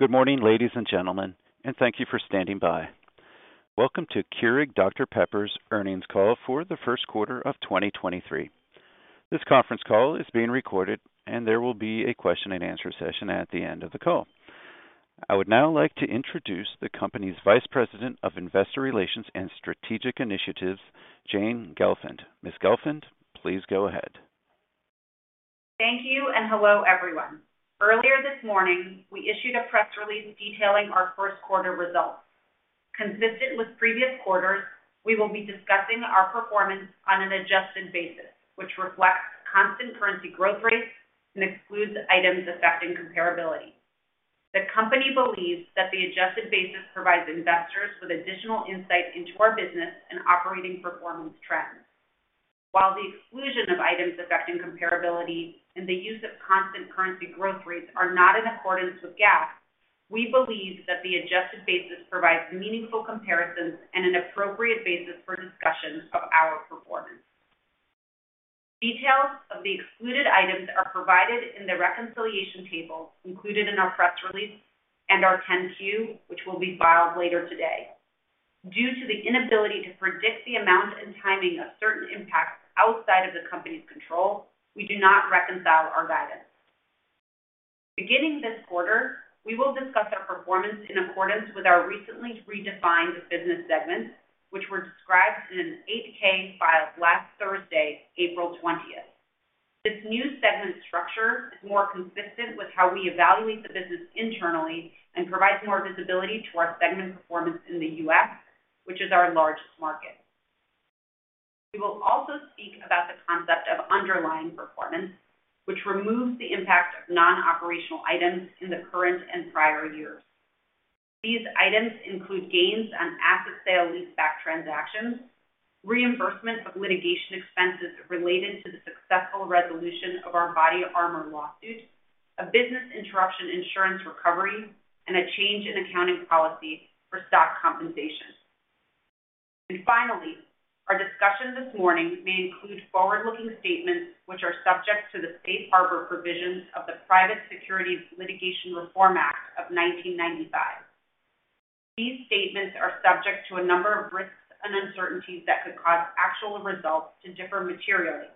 Good morning, ladies and gentlemen, thank you for standing by. Welcome to Keurig Dr Pepper's earnings call for the Q1 of 2023. This conference call is being recorded, there will be a question and answer session at the end of the call. I would now like to introduce the company's Vice President of Investor Relations and Strategic Initiatives, Jane Gelfand. Ms. Gelfand, please go ahead. Thank you, and hello, everyone. Earlier this morning, we issued a press release detailing our Q1 results. Consistent with previous quarters, we will be discussing our performance on an adjusted basis, which reflects constant currency growth rates and excludes items affecting comparability. The company believes that the adjusted basis provides investors with additional insight into our business and operating performance trends. While the exclusion of items affecting comparability and the use of constant currency growth rates are not in accordance with GAAP, we believe that the adjusted basis provides meaningful comparisons and an appropriate basis for discussions of our performance. Details of the excluded items are provided in the reconciliation table included in our press release and our 10-Q, which will be filed later today. Due to the inability to predict the amount and timing of certain impacts outside of the company's control, we do not reconcile our guidance. Beginning this quarter, we will discuss our performance in accordance with our recently redefined business segments, which were described in an 8-K filed last Thursday, April 20. This new segment structure is more consistent with how we evaluate the business internally and provides more visibility to our segment performance in the U.S., which is our largest market. We will also speak about the concept of underlying performance, which removes the impact of non-operational items in the current and prior years. These items include gains on asset sale leaseback transactions, reimbursement of litigation expenses related to the successful resolution of our BodyArmor lawsuit, a business interruption insurance recovery, and a change in accounting policy for stock compensation. Finally, our discussion this morning may include forward-looking statements which are subject to the Safe Harbor provisions of the Private Securities Litigation Reform Act of 1995. These statements are subject to a number of risks and uncertainties that could cause actual results to differ materially.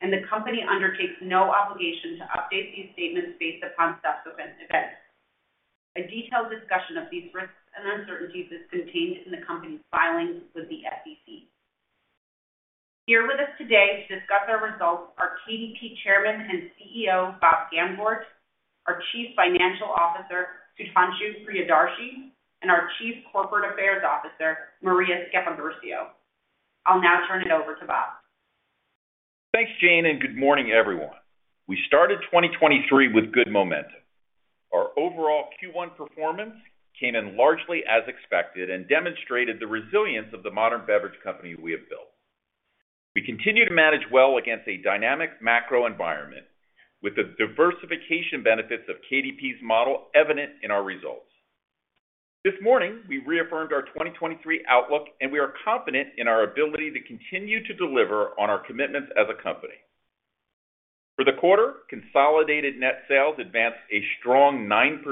The Company undertakes no obligation to update these statements based upon subsequent events. A detailed discussion of these risks and uncertainties is contained in the Company's filings with the SEC. Here with us today to discuss our results are KDP Chairman and CEO, Bob Gamgort, our Chief Financial Officer, Sudhanshu Priyadarshi, and our Chief Corporate Affairs Officer, Maria Sceppaguercio. I'll now turn it over to Bob. Thanks, Jane, good morning, everyone. We started 2023 with good momentum. Our overall Q1 performance came in largely as expected and demonstrated the resilience of the modern beverage company we have built. We continue to manage well against a dynamic macro environment with the diversification benefits of KDP's model evident in our results. This morning, we reaffirmed our 2023 outlook, and we are confident in our ability to continue to deliver on our commitments as a company. For the quarter, consolidated net sales advanced a strong 9%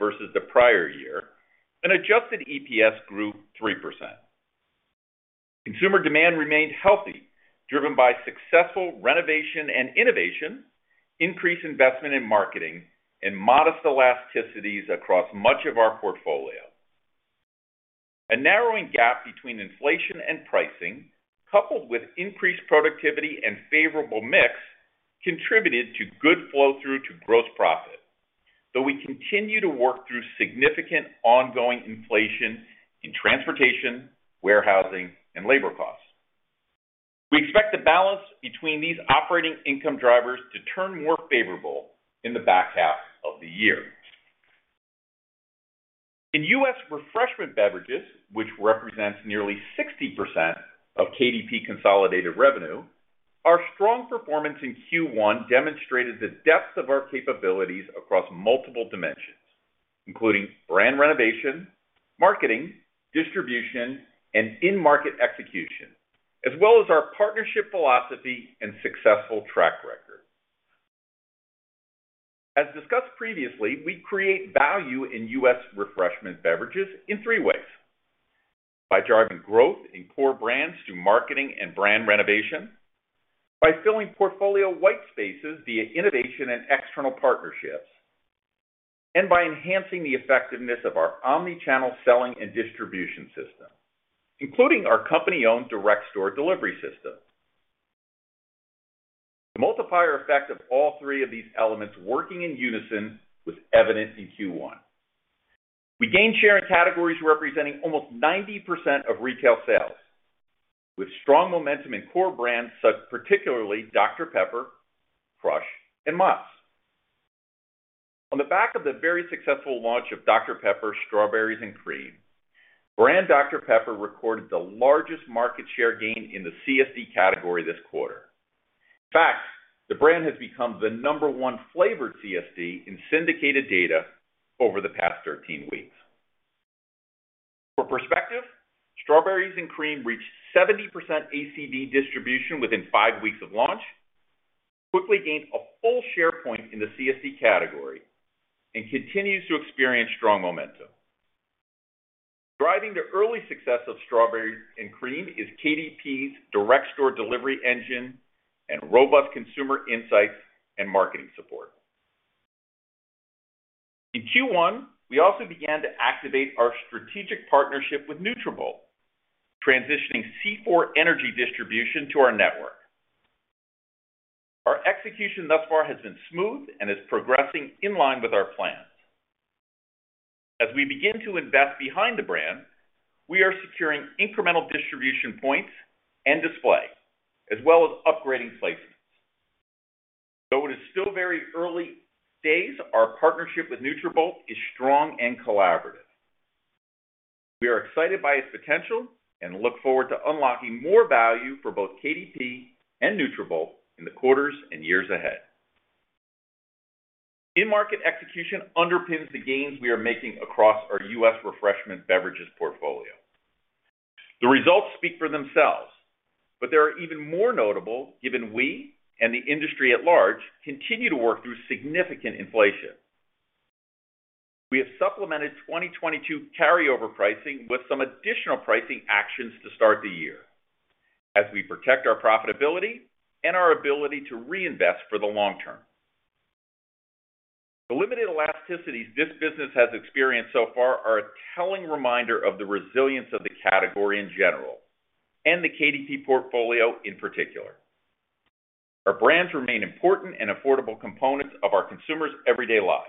versus the prior year, and adjusted EPS grew 3%. Consumer demand remained healthy, driven by successful renovation and innovation, increased investment in marketing and modest elasticities across much of our portfolio. A narrowing gap between inflation and pricing, coupled with increased productivity and favorable mix, contributed to good flow-through to gross profit, though we continue to work through significant ongoing inflation in transportation, warehousing, and labor costs. We expect the balance between these operating income drivers to turn more favorable in the back half of the year. In U.S. Refreshment Beverages, which represents nearly 60% of KDP consolidated revenue, our strong performance in Q1 demonstrated the depth of our capabilities across multiple dimensions, including brand renovation, marketing, distribution, and in-market execution, as well as our partnership philosophy and successful track record. As discussed previously, we create value in U.S. Refreshment Beverages in three ways: by driving growth in core brands through marketing and brand renovation, by filling portfolio white spaces via innovation and external partnerships, and by enhancing the effectiveness of our omni-channel selling and distribution system, including our company-owned direct store delivery system. The multiplier effect of all three of these elements working in unison was evident in Q1. We gained share in categories representing almost 90% of retail sales, with strong momentum in core brands, particularly Dr Pepper, Crush, and Mug. On the back of the very successful launch of Dr Pepper Strawberries & Cream, brand Dr Pepper recorded the largest market share gain in the CSD category this quarter. In fact, the brand has become the number one flavored CSD in syndicated data over the past 13 weeks. For perspective, Strawberries & Cream reached 70% ACD distribution within five weeks of launch, quickly gained a full share point in the CSD category and continues to experience strong momentum. Driving the early success of Strawberries & Cream is KDP's direct store delivery engine and robust consumer insights and marketing support. In Q1, we also began to activate our strategic partnership with Nutrabolt, transitioning C4 Energy distribution to our network. Our execution thus far has been smooth and is progressing in line with our plans. As we begin to invest behind the brand, we are securing incremental distribution points and display, as well as upgrading placements. Though it is still very early days, our partnership with Nutrabolt is strong and collaborative. We are excited by its potential and look forward to unlocking more value for both KDP and Nutrabolt in the quarters and years ahead. In-market execution underpins the gains we are making across our U.S. Refreshment Beverages portfolio. The results speak for themselves, but they are even more notable given we and the industry at large continue to work through significant inflation. We have supplemented 2022 carryover pricing with some additional pricing actions to start the year as we protect our profitability and our ability to reinvest for the long term. The limited elasticities this business has experienced so far are a telling reminder of the resilience of the category in general and the KDP portfolio in particular. Our brands remain important and affordable components of our consumers everyday lives.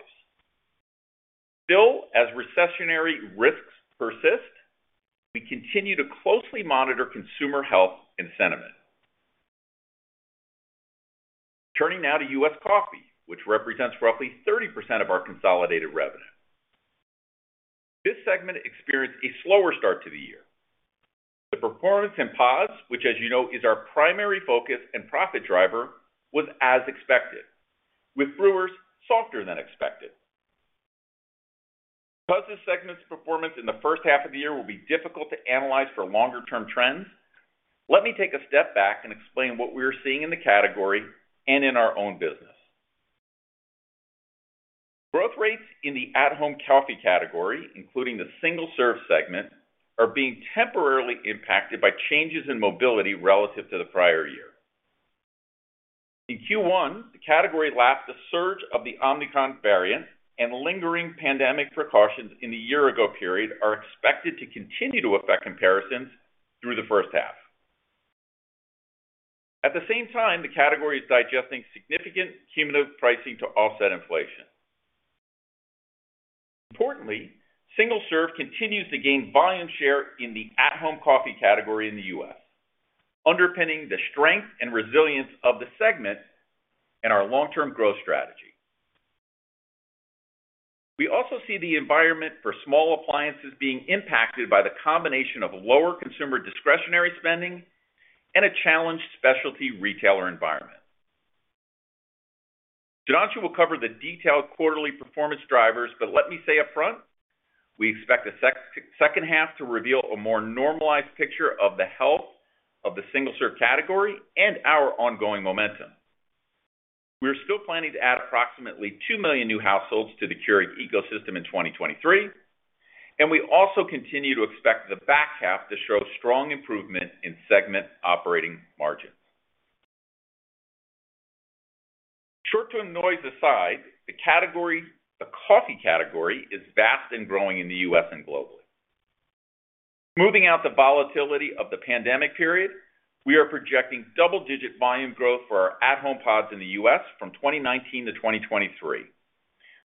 As recessionary risks persist, we continue to closely monitor consumer health and sentiment. Turning now to U.S. Coffee, which represents roughly 30% of our consolidated revenue. This segment experienced a slower start to the year. The performance in pods, which as you know, is our primary focus and profit driver, was as expected, with brewers softer than expected. Because this segment's performance in the first half of the year will be difficult to analyze for longer term trends, let me take a step back and explain what we are seeing in the category and in our own business. Growth rates in the at-home coffee category, including the single-serve segment, are being temporarily impacted by changes in mobility relative to the prior year. In Q1, the category lacked a surge of the Omicron variant and lingering pandemic precautions in the year ago period are expected to continue to affect comparisons through the first half. At the same time, the category is digesting significant cumulative pricing to offset inflation. Importantly, single-serve continues to gain volume share in the at-home coffee category in the U.S., underpinning the strength and resilience of the segment and our long-term growth strategy. We also see the environment for small appliances being impacted by the combination of lower consumer discretionary spending and a challenged specialty retailer environment. Janaki will cover the detailed quarterly performance drivers, let me say upfront, we expect the second half to reveal a more normalized picture of the health of the single-serve category and our ongoing momentum. We are still planning to add approximately 2 million new households to the Keurig ecosystem in 2023, we also continue to expect the back half to show strong improvement in segment operating margin. Short-term noise aside, the coffee category is vast and growing in the U.S. and globally. Moving out the volatility of the pandemic period, we are projecting double-digit volume growth for our at-home pods in the U.S. from 2019 to 2023,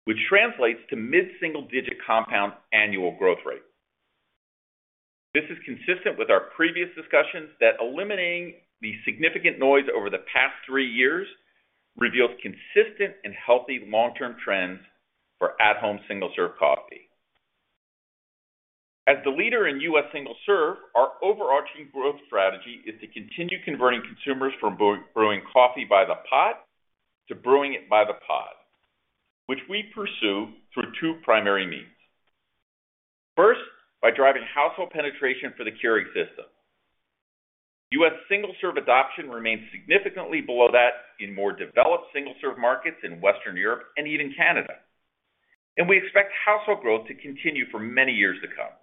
which translates to mid-single digit compound annual growth rate. This is consistent with our previous discussions that eliminating the significant noise over the past three years reveals consistent and healthy long-term trends for at-home single-serve coffee. As the leader in U.S. single-serve, our overarching growth strategy is to continue converting consumers from brew, brewing coffee by the pot to brewing it by the pod, which we pursue through two primary means. First, by driving household penetration for the Keurig system. U.S. single-serve adoption remains significantly below that in more developed single-serve markets in Western Europe and even Canada. We expect household growth to continue for many years to come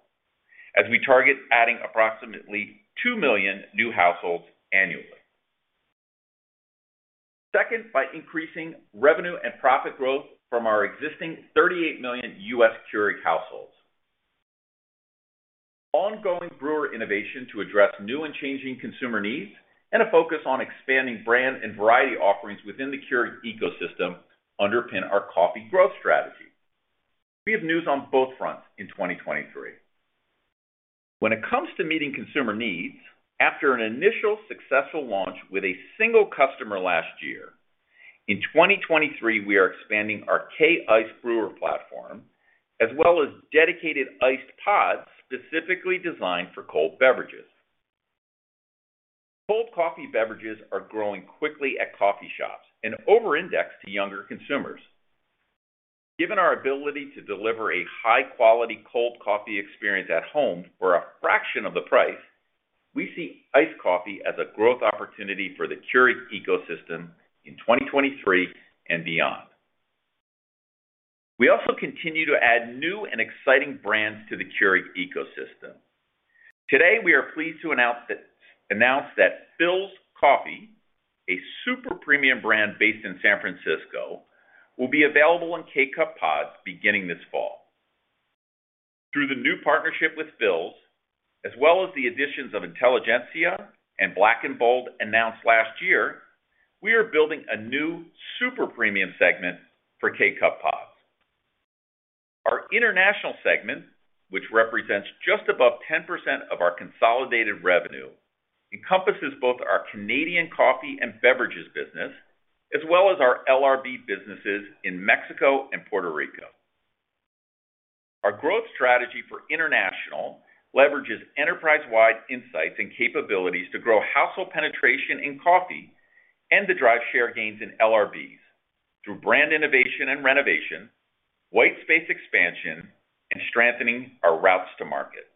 as we target adding approximately 2 million new households annually. Second, by increasing revenue and profit growth from our existing 38 million U.S. Keurig households. Ongoing brewer innovation to address new and changing consumer needs and a focus on expanding brand and variety offerings within the Keurig ecosystem underpin our coffee growth strategy. We have news on both fronts in 2023. When it comes to meeting consumer needs, after an initial successful launch with a single customer last year, in 2023, we are expanding our K-Iced brewer platform, as well as dedicated iced pods specifically designed for cold beverages. Cold coffee beverages are growing quickly at coffee shops and over-index to younger consumers. Given our ability to deliver a high quality cold coffee experience at home for a fraction of the price, we see iced coffee as a growth opportunity for the Keurig ecosystem in 2023 and beyond. We also continue to add new and exciting brands to the Keurig ecosystem. Today, we are pleased to announce that Philz Coffee, a super-premium brand based in San Francisco, will be available in K-Cup pods beginning this fall. Through the new partnership with Philz Coffee, as well as the additions of Intelligentsia and BLK & Bold announced last year, we are building a new super-premium segment for K-Cup pods. Our international segment, which represents just above 10% of our consolidated revenue, encompasses both our Canadian coffee and beverages business, as well as our LRB businesses in Mexico and Puerto Rico. Our growth strategy for international leverages enterprise-wide insights and capabilities to grow household penetration in coffee and to drive share gains in LRB through brand innovation and renovation, white space expansion, and strengthening our routes to market.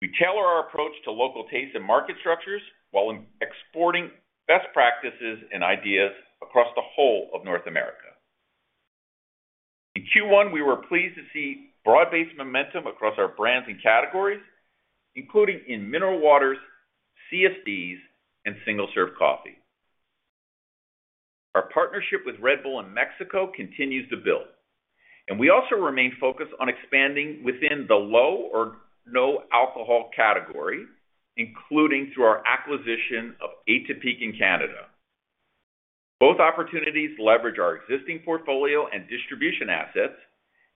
We tailor our approach to local tastes and market structures while ex-exporting best practices and ideas across the whole of North America. In Q1, we were pleased to see broad-based momentum across our brands and categories, including in mineral waters, CSDs, and single-serve coffee. Our partnership with Red Bull in Mexico continues to build, and we also remain focused on expanding within the low or no alcohol category, including through our acquisition of JDE Peet's in Canada. Both opportunities leverage our existing portfolio and distribution assets,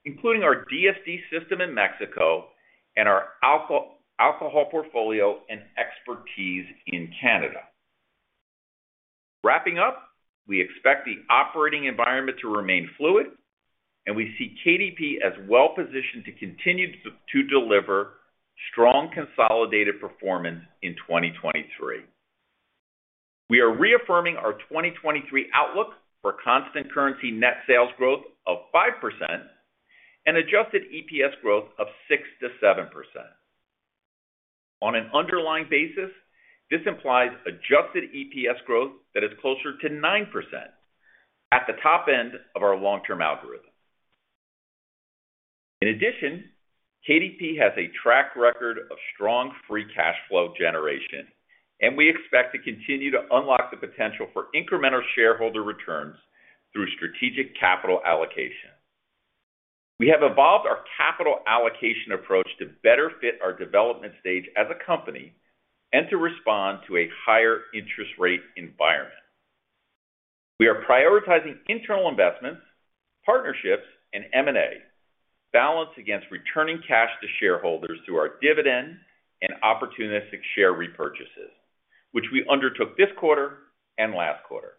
including our DSD system in Mexico and our alcohol portfolio and expertise in Canada. Wrapping up, we expect the operating environment to remain fluid, and we see KDP as well positioned to continue to deliver strong consolidated performance in 2023. We are reaffirming our 2023 outlook for constant currency net sales growth of 5% and adjusted EPS growth of 6%-7%. On an underlying basis, this implies adjusted EPS growth that is closer to 9% at the top end of our long-term algorithm. In addition, KDP has a track record of strong free cash flow generation, and we expect to continue to unlock the potential for incremental shareholder returns through strategic capital allocation. We have evolved our capital allocation approach to better fit our development stage as a company and to respond to a higher interest rate environment. We are prioritizing internal investments, partnerships, and M&A balanced against returning cash to shareholders through our dividend and opportunistic share repurchases, which we undertook this quarter and last quarter.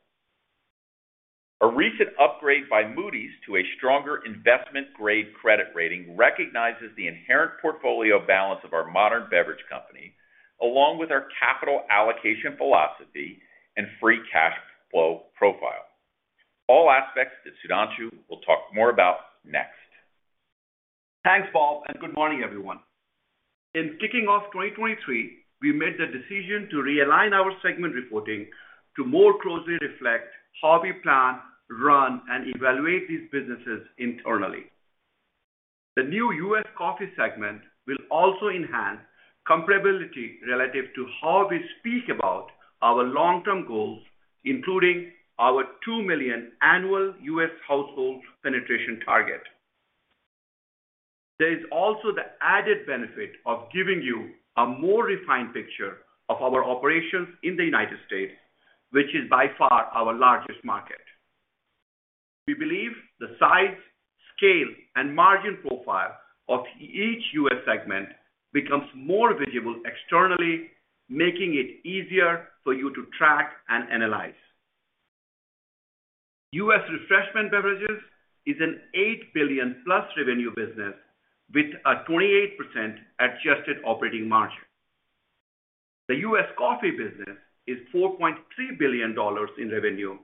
A recent upgrade by Moody's to a stronger investment-grade credit rating recognizes the inherent portfolio balance of our modern beverage company, along with our capital allocation philosophy and free cash flow profile. All aspects that Sudhanshu will talk more about next. Thanks, Bob. Good morning, everyone. In kicking off 2023, we made the decision to realign our segment reporting to more closely reflect how we plan, run, and evaluate these businesses internally. The new U.S. Coffee segment will also enhance comparability relative to how we speak about our long-term goals, including our 2 million annual U.S. household penetration target. There is also the added benefit of giving you a more refined picture of our operations in the United States, which is by far our largest market. We believe the size, scale, and margin profile of each U.S. segment becomes more visible externally, making it easier for you to track and analyze. U.S. Refreshment Beverages is an $8 billion+ revenue business with a 28% adjusted operating margin. The U.S. Coffee business is $4.3 billion in revenue,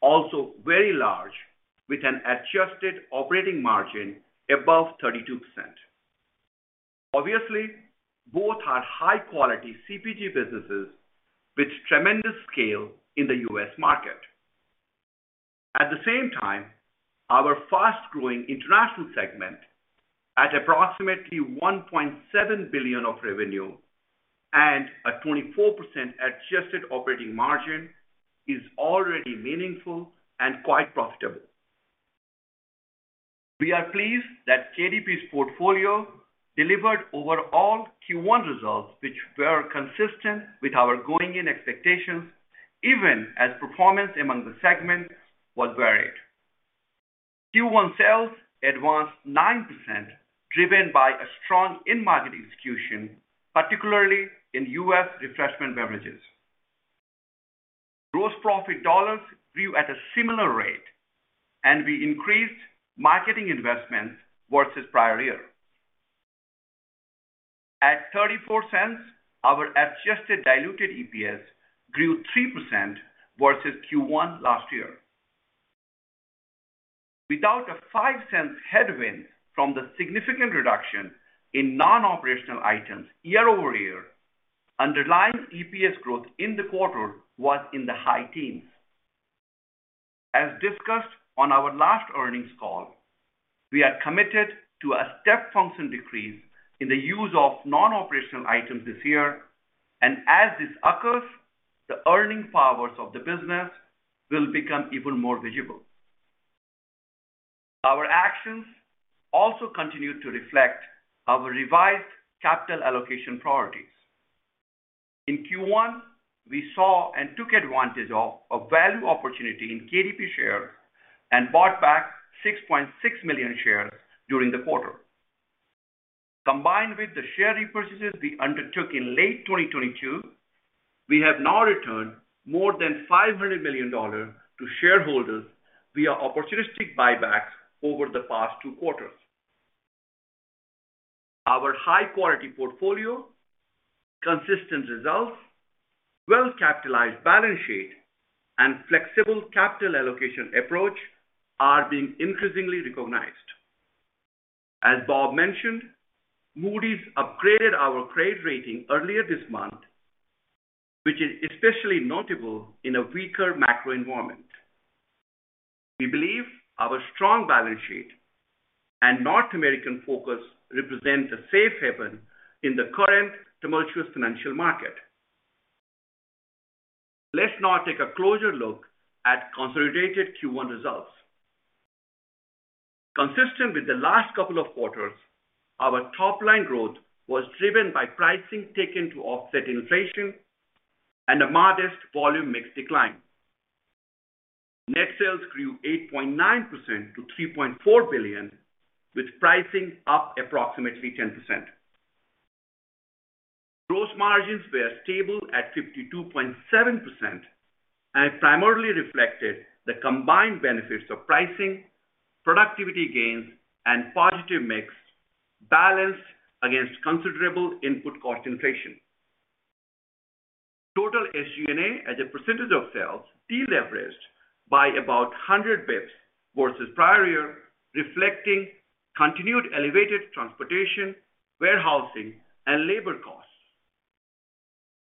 also very large, with an adjusted operating margin above 32%. Both are high-quality CPG businesses with tremendous scale in the U.S. market. Our fast-growing international segment at approximately $1.7 billion of revenue and a 24% adjusted operating margin is already meaningful and quite profitable. We are pleased that KDP's portfolio delivered overall Q1 results which were consistent with our going-in expectations, even as performance among the segments was varied. Q1 sales advanced 9%, driven by a strong in-market execution, particularly in U.S. Refreshment Beverages. Gross profit dollars grew at a similar rate, and we increased marketing investments versus prior year. At $0.34, our adjusted diluted EPS grew 3% versus Q1 last year. Without a $0.05 headwind from the significant reduction in non-operational items year-over-year, underlying EPS growth in the quarter was in the high teens. As discussed on our last earnings call, we are committed to a step function decrease in the use of non-operational items this year and as this occurs, the earning powers of the business will become even more visible. Our actions also continue to reflect our revised capital allocation priorities. In Q1, we saw and took advantage of a value opportunity in KDP shares and bought back 6.6 million shares during the quarter. Combined with the share repurchases we undertook in late 2022, we have now returned more than $500 million to shareholders via opportunistic buybacks over the past two quarters. Our high-quality portfolio, consistent results, well-capitalized balance sheet, and flexible capital allocation approach are being increasingly recognized. As Bob mentioned, Moody's upgraded our credit rating earlier this month, which is especially notable in a weaker macro environment. We believe our strong balance sheet and North American focus represents a safe haven in the current tumultuous financial market. Let's now take a closer look at consolidated Q1 results. Consistent with the last couple of quarters, our top-line growth was driven by pricing taken to offset inflation and a modest volume mix decline. Net sales grew 8.9% to $3.4 billion, with pricing up approximately 10%. Gross margins were stable at 52.7% and primarily reflected the combined benefits of pricing, productivity gains, and positive mix balanced against considerable input cost inflation. Total SG&A as a percentage of sales deleveraged by about 100 basis points versus prior year, reflecting continued elevated transportation, warehousing, and labor costs.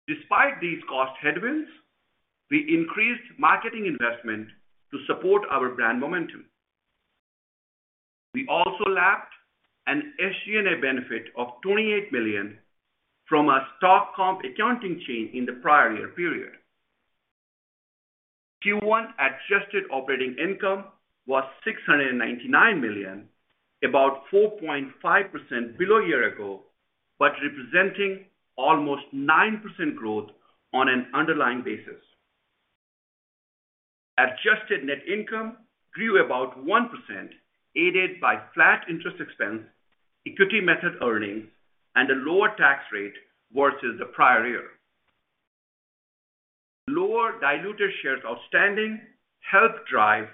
Despite these cost headwinds, we increased marketing investment to support our brand momentum. We also lapped an SG&A benefit of $28 million from a stock comp accounting change in the prior year period. Q1 adjusted operating income was $699 million, about 4.5% below year ago, but representing almost 9% growth on an underlying basis. Adjusted net income grew about 1%, aided by flat interest expense, equity method earnings, and a lower tax rate versus the prior year. Lower diluted shares outstanding helped drive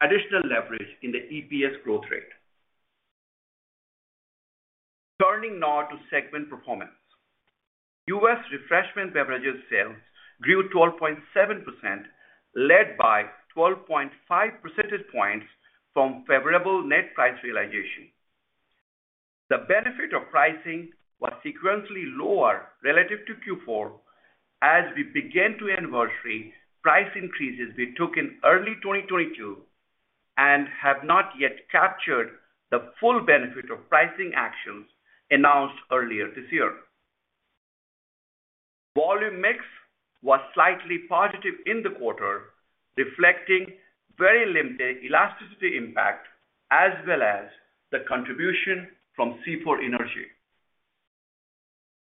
additional leverage in the EPS growth rate. Turning now to segment performance. U.S. Refreshment Beverages sales grew 12.7%, led by 12.5 percentage points from favorable net price realization. The benefit of pricing was sequentially lower relative to Q4 as we began to anniversary price increases we took in early 2022 and have not yet captured the full benefit of pricing actions announced earlier this year. Volume mix was slightly positive in the quarter, reflecting very limited elasticity impact as well as the contribution from C4 Energy.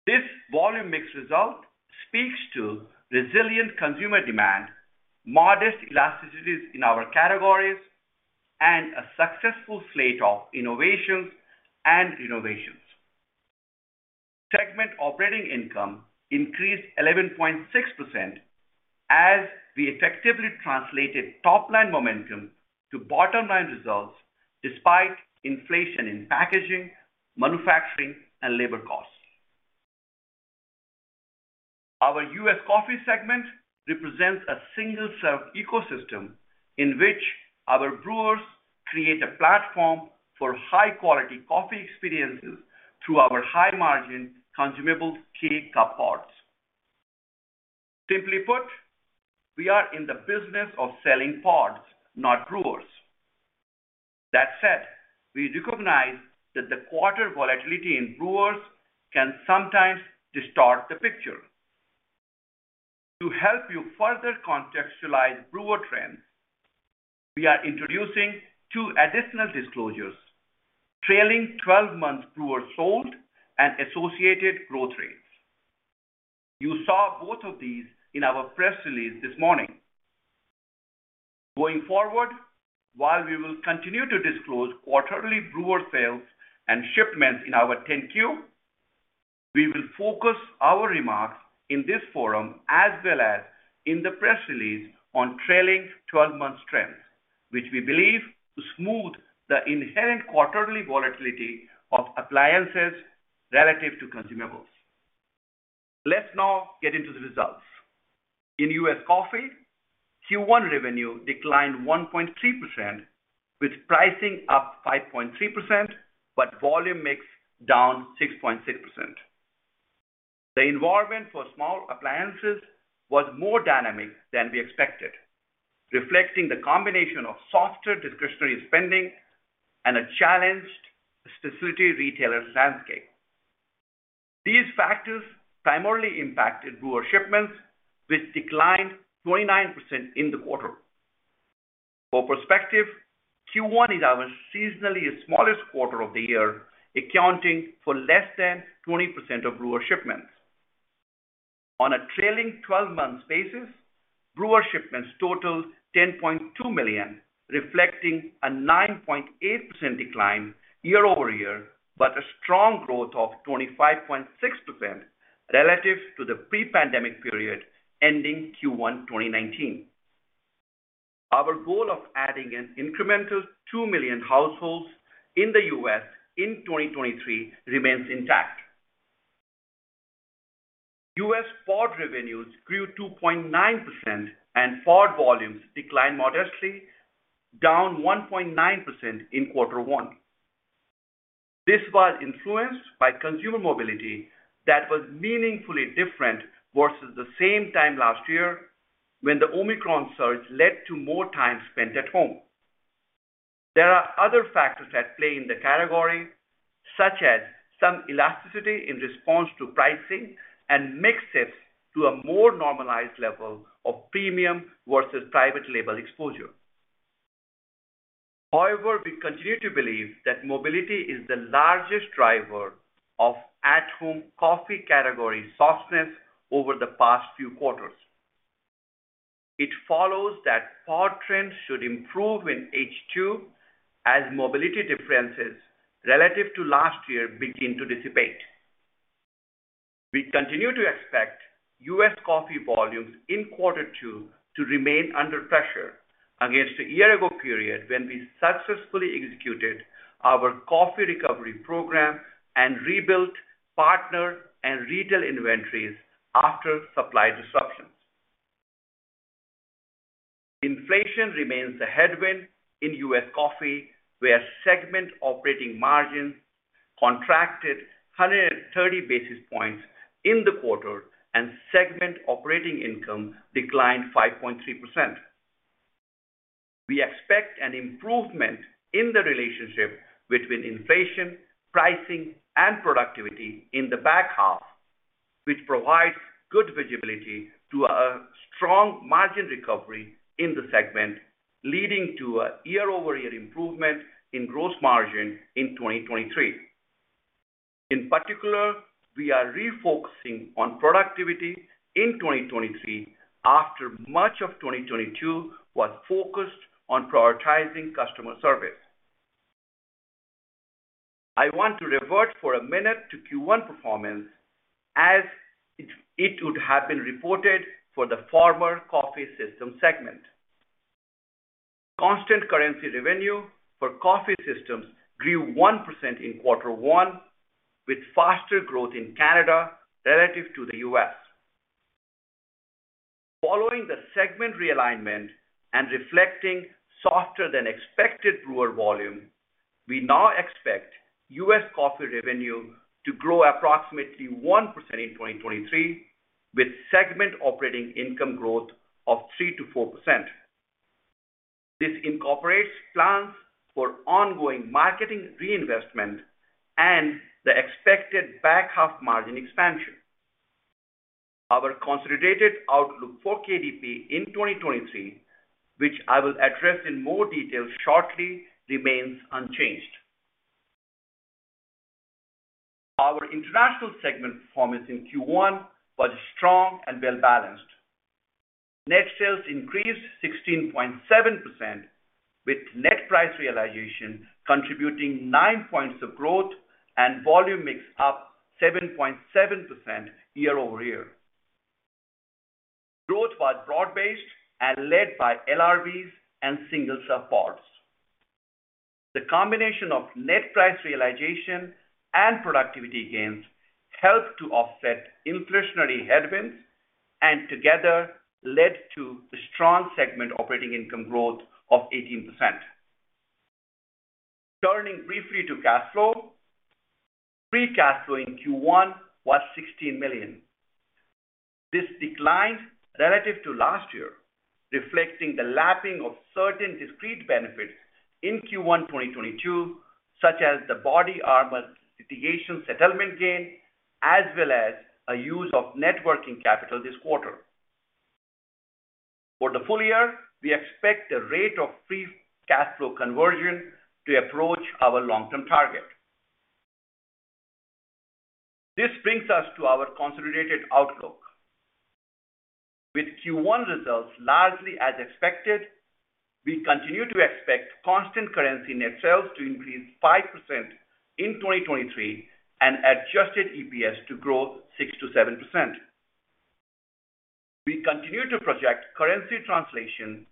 This volume mix result speaks to resilient consumer demand, modest elasticities in our categories, and a successful slate of innovations and renovations. Segment operating income increased 11.6% as we effectively translated top-line momentum to bottom-line results despite inflation in packaging, manufacturing, and labor costs. Our U.S. Coffee segment represents a single-serve ecosystem in which our brewers create a platform for high-quality coffee experiences through our high-margin consumable K-Cup pods. Simply put, we are in the business of selling pods, not brewers. That said, we recognize that the quarter volatility in brewers can sometimes distort the picture. To help you further contextualize brewer trends, we are introducing two additional disclosures: trailing 12-month brewers sold and associated growth rates. You saw both of these in our press release this morning. Going forward, while we will continue to disclose quarterly brewer sales and shipments in our 10-Q, we will focus our remarks in this forum as well as in the press release on trailing 12-month trends, which we believe to smooth the inherent quarterly volatility of appliances relative to consumables. Let's now get into the results. In U.S. Coffee, Q1 revenue declined 1.3%, with pricing up 5.3%, but volume mix down 6.6%. The environment for small appliances was more dynamic than we expected, reflecting the combination of softer discretionary spending and a challenged specialty retailer landscape. These factors primarily impacted brewer shipments, which declined 29% in the quarter. For perspective, Q1 is our seasonally smallest quarter of the year, accounting for less than 20% of brewer shipments. On a trailing 12-month basis, brewer shipments totaled 10.2 million, reflecting a 9.8% decline year-over-year, but a strong growth of 25.6% relative to the pre-pandemic period ending Q1 2019. Our goal of adding an incremental 2 million households in the U.S. in 2023 remains intact. U.S. Pod revenues grew 2.9% and pod volumes declined modestly, down 1.9% in Q1. This was influenced by consumer mobility that was meaningfully different versus the same time last year when the Omicron surge led to more time spent at home. There are other factors at play in the category, such as some elasticity in response to pricing and mix shifts to a more normalized level of premium versus private label exposure. However, we continue to believe that mobility is the largest driver of at-home coffee category softness over the past few quarters. It follows that pod trends should improve in H2 as mobility differences relative to last year begin to dissipate. We continue to expect U.S. Coffee volumes in Q2 to remain under pressure against a year ago period when we successfully executed our coffee recovery program and rebuilt partner and retail inventories after supply disruptions. Inflation remains a headwind in U.S. Coffee, where segment operating margin contracted 130 basis points in the quarter, and segment operating income declined 5.3%. We expect an improvement in the relationship between inflation, pricing, and productivity in the back half, which provides good visibility to a strong margin recovery in the segment, leading to a year-over-year improvement in gross margin in 2023. In particular, we are refocusing on productivity in 2023 after much of 2022 was focused on prioritizing customer service. I want to revert for a minute to Q1 performance as it would have been reported for the former Coffee Systems segment. Constant currency revenue for Coffee Systems grew 1% in Q1, with faster growth in Canada relative to the U.S. Following the segment realignment and reflecting softer than expected brewer volume, we now expect U.S. Coffee revenue to grow approximately 1% in 2023, with segment operating income growth of 3%-4%. This incorporates plans for ongoing marketing reinvestment and the expected back half margin expansion. Our consolidated outlook for KDP in 2023, which I will address in more detail shortly, remains unchanged. Our international segment performance in Q1 was strong and well-balanced. Net sales increased 16.7%, with net price realization contributing nine points of growth and volume mix up 7.7% year-over-year. Growth was broad-based and led by LRBs and single-serve pods. The combination of net price realization and productivity gains helped to offset inflationary headwinds and together led to a strong segment operating income growth of 18%. Turning briefly to cash flow. Free cash flow in Q1 was $16 million. This declined relative to last year, reflecting the lapping of certain discrete benefits in Q1 2022, such as the BodyArmor litigation settlement gain, as well as a use of net working capital this quarter. For the full year, we expect the rate of free cash flow conversion to approach our long-term target. This brings us to our consolidated outlook. With Q1 results largely as expected, we continue to expect constant currency net sales to increase 5% in 2023 and adjusted EPS to grow 6%-7%. We continue to project currency translation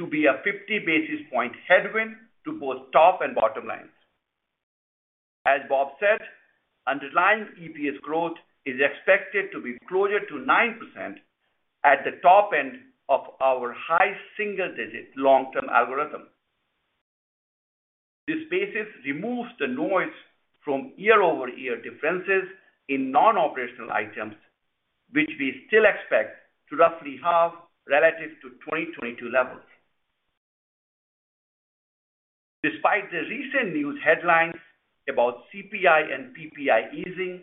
to be a 50 basis point headwind to both top and bottom lines. As Bob said, underlying EPS growth is expected to be closer to 9% at the top end of our high single digit long-term algorithm. This basis removes the noise from year-over-year differences in non-operational items, which we still expect to roughly halve relative to 2022 levels. Despite the recent news headlines about CPI and PPI easing,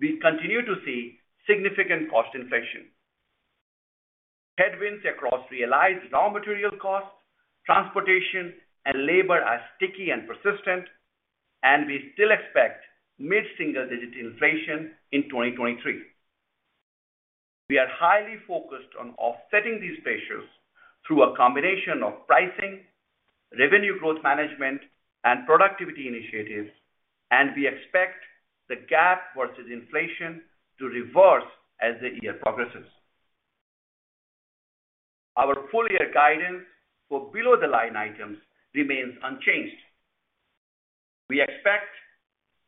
we continue to see significant cost inflation. Headwinds across realized raw material costs, transportation, and labor are sticky and persistent, and we still expect mid-single digit inflation in 2023. We are highly focused on offsetting these pressures through a combination of pricing, revenue growth management, and productivity initiatives, and we expect the gap versus inflation to reverse as the year progresses. Our full-year guidance for below-the-line items remains unchanged. We expect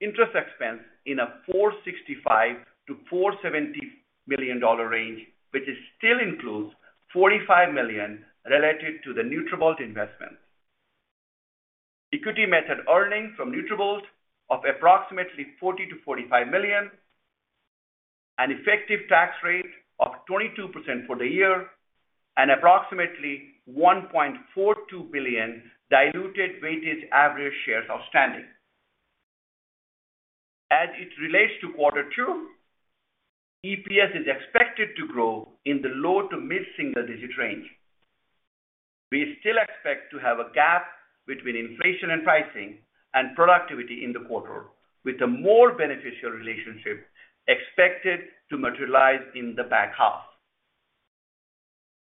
interest expense in a $465 million-$470 million range, which still includes $45 million related to the Nutrabolt investment. Equity method earnings from Nutrabolt of approximately $40 million-$45 million, an effective tax rate of 22% for the year, and approximately $1.42 billion diluted weighted average shares outstanding. As it relates to Q2, EPS is expected to grow in the low to mid-single digit range. We still expect to have a gap between inflation and pricing and productivity in the quarter, with a more beneficial relationship expected to materialize in the back half.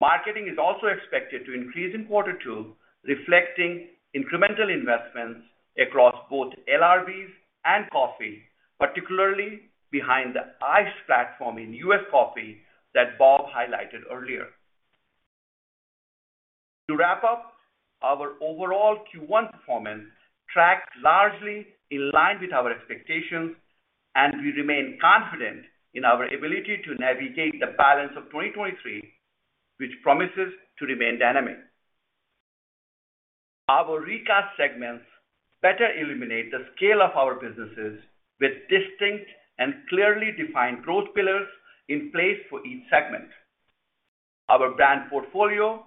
Marketing is also expected to increase in Q2, reflecting incremental investments across both LRBs and coffee, particularly behind the K-Iced platform in U.S. Coffee that Bob highlighted earlier. To wrap up, our overall Q1 performance tracked largely in line with our expectations, and we remain confident in our ability to navigate the balance of 2023, which promises to remain dynamic. Our recast segments better illuminate the scale of our businesses with distinct and clearly defined growth pillars in place for each segment. Our brand portfolio,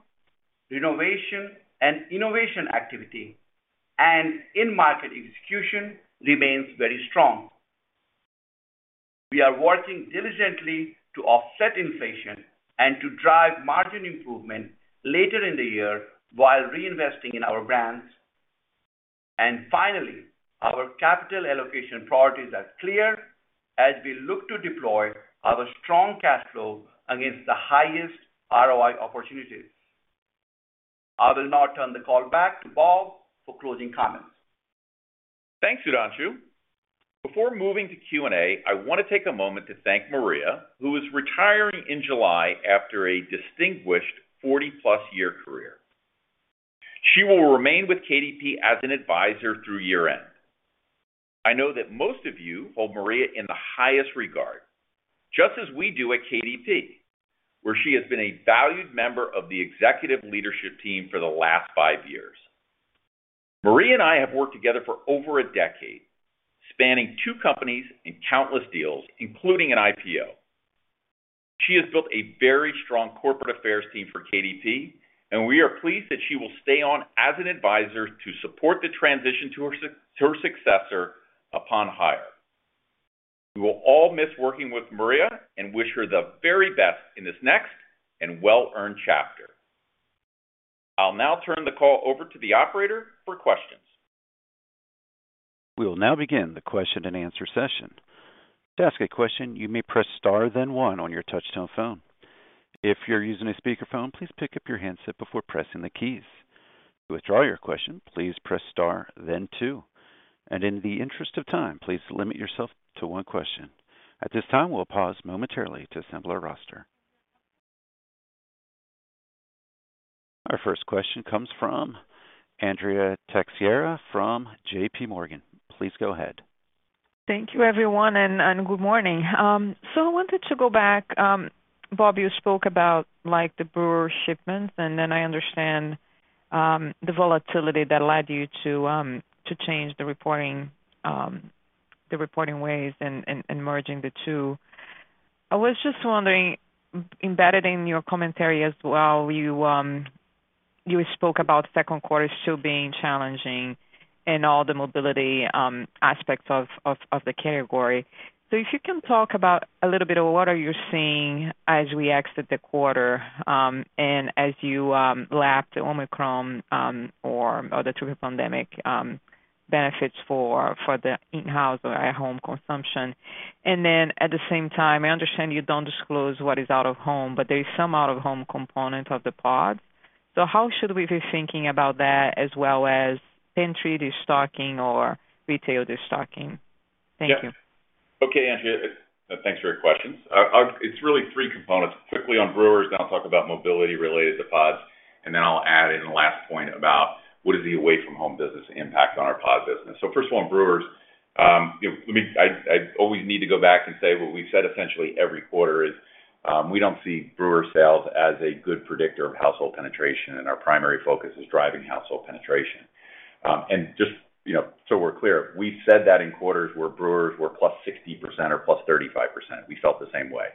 renovation, and innovation activity, and in-market execution remains very strong. We are working diligently to offset inflation and to drive margin improvement later in the year while reinvesting in our brands. Finally, our capital allocation priorities are clear as we look to deploy our strong cash flow against the highest ROI opportunities. I will now turn the call back to Bob for closing comments. Thanks, Sudhanshu. Before moving to Q&A, I want to take a moment to thank Maria, who is retiring in July after a distinguished 40+ year career. She will remain with KDP as an advisor through year-end. I know that most of you hold Maria in the highest regard, just as we do at KDP, where she has been a valued member of the executive leadership team for the last five years. Maria and I have worked together for over a decade, spanning two companies and countless deals, including an IPO. She has built a very strong corporate affairs team for KDP, and we are pleased that she will stay on as an advisor to support the transition to her successor upon hire. We will all miss working with Maria and wish her the very best in this next and well-earned chapter. I'll now turn the call over to the operator for questions. We will now begin the question-and-answer session. To ask a question, you may press star then one on your touchtone phone. If you're using a speakerphone, please pick up your handset before pressing the keys. To withdraw your question, please press star then two. In the interest of time, please limit yourself to one question. At this time, we'll pause momentarily to assemble our roster. Our first question comes from Andrea Teixeira from JPMorgan. Please go ahead. Thank you, everyone, and good morning. I wanted to go back, Bob, you spoke about like the brewer shipments. I understand the volatility that led you to change the reporting, the reporting ways and merging the two. I was just wondering, embedded in your commentary as well, you spoke about Q2 still being challenging in all the mobility aspects of the category. If you can talk about a little bit of what are you seeing as we exit the quarter, and as you lap the Omicron, or the two pandemic? Benefits for the in-house or at home consumption. At the same time, I understand you don't disclose what is out of home, but there is some out of home component of the pod. How should we be thinking about that as well as pantry destocking or retail destocking? Thank you. Okay, Andrea, thanks for your questions. It's really three components. Quickly on brewers, then I'll talk about mobility related to pods, and then I'll add in a last point about what is the away from home business impact on our pod business. First of all, on brewers, you know, I mean, I always need to go back and say what we've said essentially every quarter is, we don't see brewer sales as a good predictor of household penetration, and our primary focus is driving household penetration. Just, you know, so we're clear, we said that in quarters where brewers were +60% or +35%, we felt the same way.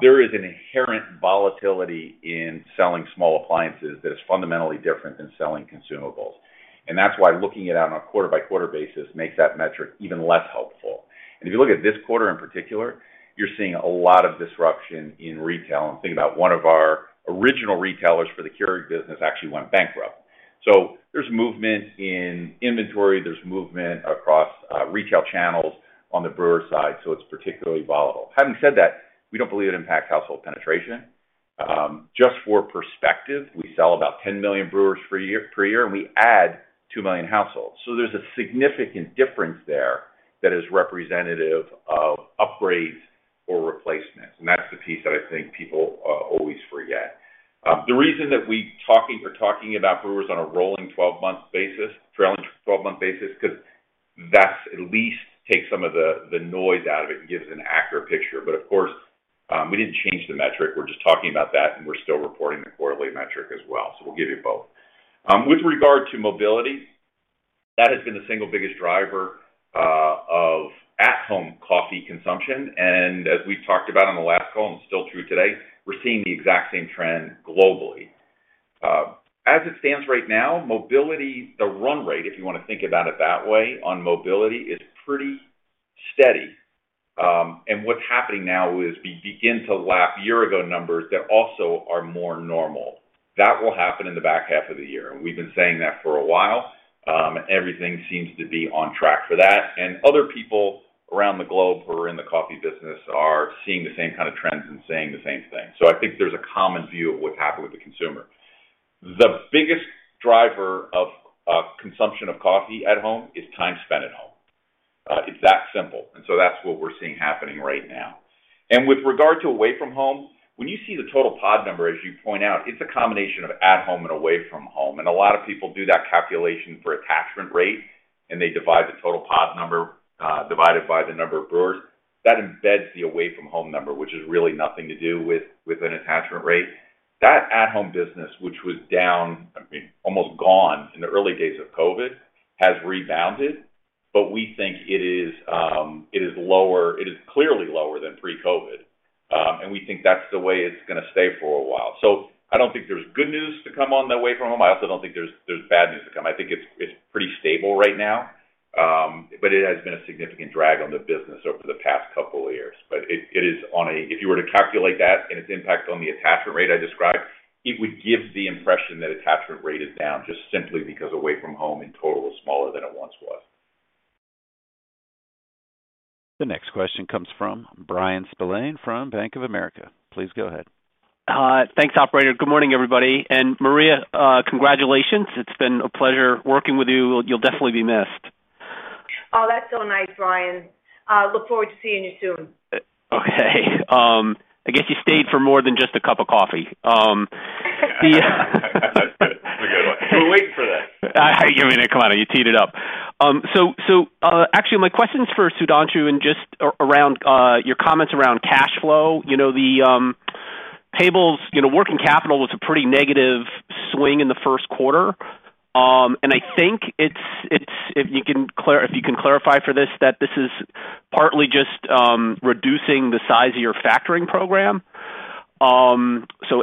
There is an inherent volatility in selling small appliances that is fundamentally different than selling consumables. That's why looking it out on a quarter-by-quarter basis makes that metric even less helpful. If you look at this quarter in particular, you're seeing a lot of disruption in retail. Think about one of our original retailers for the Keurig business actually went bankrupt. There's movement in inventory, there's movement across retail channels on the brewer side, so it's particularly volatile. Having said that, we don't believe it impacts household penetration. Just for perspective, we sell about 10 million brewers per year, and we add 2 million households. There's a significant difference there that is representative of upgrades or replacements, and that's the piece that I think people always forget. The reason that we're talking about brewers on a rolling 12-month basis, trailing 12-month basis, 'cause that's at least takes some of the noise out of it and gives an accurate picture. Of course, we didn't change the metric. We're just talking about that, and we're still reporting the quarterly metric as well. We'll give you both. With regard to mobility, that has been the single biggest driver of at home coffee consumption. As we've talked about on the last call, and it's still true today, we're seeing the exact same trend globally. As it stands right now, mobility, the run rate, if you wanna think about it that way, on mobility is pretty steady. What's happening now is we begin to lap year ago numbers that also are more normal. That will happen in the back half of the year. We've been saying that for a while. Everything seems to be on track for that. Other people around the globe who are in the coffee business are seeing the same kind of trends and saying the same thing. I think there's a common view of what's happening with the consumer. The biggest driver of consumption of coffee at home is time spent at home. It's that simple. That's what we're seeing happening right now. With regard to away from home, when you see the total pod number, as you point out, it's a combination of at home and away from home. A lot of people do that calculation for attachment rate, and they divide the total pod number, divided by the number of brewers. That embeds the away from home number, which has really nothing to do with an attachment rate. That at home business, which was down, I mean, almost gone in the early days of COVID, has rebounded. We think it is lower. It is clearly lower than pre-COVID. We think that's the way it's gonna stay for a while. I don't think there's good news to come on the away from home. I also don't think there's bad news to come. I think it's pretty stable right now. It has been a significant drag on the business over the past couple of years. If you were to calculate that and its impact on the attachment rate I described, it would give the impression that attachment rate is down just simply because away from home in total is smaller than it once was. The next question comes from Bryan Spillane from Bank of America. Please go ahead. Thanks, operator. Good morning, everybody. Maria, congratulations. It's been a pleasure working with you. You'll definitely be missed. That's so nice, Bryan. Look forward to seeing you soon. Okay. I guess you stayed for more than just a cup of coffee. That's a good one. We're waiting for that. I give it. Come on, you teed it up. actually my question is for Sudhanshu and just around your comments around cash flow. You know, the tables, you know, working capital was a pretty negative swing in the Q1. I think it's if you can clarify for this, that this is partly just reducing the size of your factoring program. A,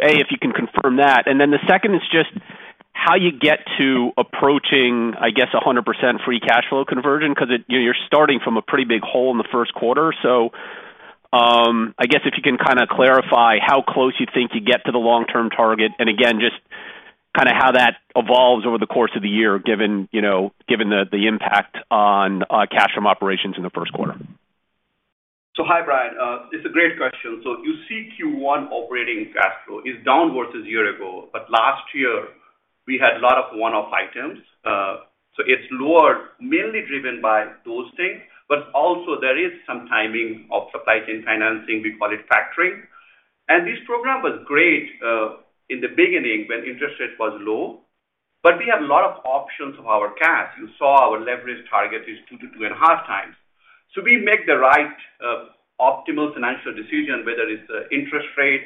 if you can confirm that. Then the second is just how you get to approaching, I guess, 100% free cash flow conversion 'cause it, you know, you're starting from a pretty big hole in the Q1. I guess if you can kind of clarify how close you think you get to the long-term target, and again, just kind of how that evolves over the course of the year, given, you know, given the impact on cash from operations in the Q1. Hi, Bryan Spillane. It's a great question. You see Q1 operating cash flow is down versus year-ago, but last year we had a lot of one-off items. It's lower, mainly driven by those things. Also there is some timing of supply chain financing, we call it factoring. This program was great in the beginning when interest rate was low. We have a lot of options of our cash. You saw our leverage target is 2x to 2.5x. We make the right optimal financial decision, whether it's interest rate.